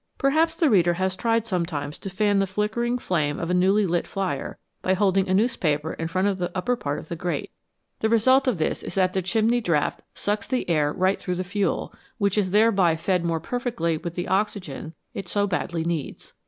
Perhaps the reader has tried sometimes to fan the flickering flame of a newly lit fire by holding a newspaper in front of the upper part of the grate. The result of 109 PRODUCTION OF LIGHT AND HEAT this is that the chimney draught sucks the air right through the fuel, which is thereby fed more perfectly with the oxygen it so badly needs.